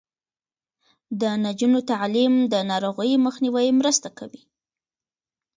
د نجونو تعلیم د ناروغیو مخنیوي مرسته کوي.